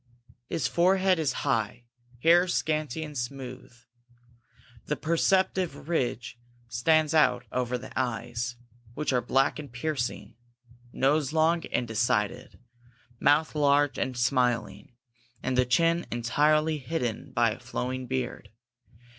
His forehead is high, hair scanty and smooth, the perceptive ridge stands out over the eyes, which are black and piercing, nose long and decided, mouth large and smiling, and the chin entirely hidden by a flowing beard.